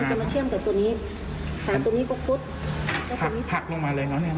ขาตรงนี้ก็พุดพักลงมาเลยนะ